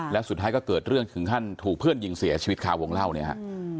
แล้วสุดท้ายก็เกิดเรื่องถึงขั้นถูกเพื่อนยิงเสียชีวิตคาวงเล่าเนี่ยฮะ